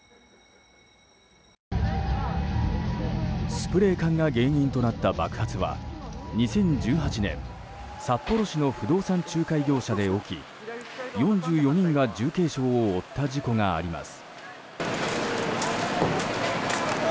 スプレー缶が原因となった爆発は２０１８年札幌市の不動産仲介業者で起き４４人が重軽傷を負った事故があります。